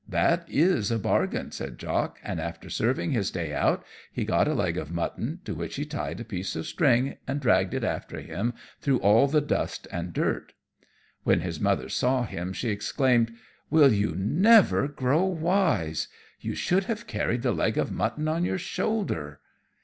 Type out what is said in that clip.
"That is a bargain," said Jock. And after serving his day out he got a leg of mutton, to which he tied a piece of string and dragged it after him through all the dust and dirt. When his Mother saw him she exclaimed, "Will you never grow wise? You should have carried the leg of mutton on your shoulder."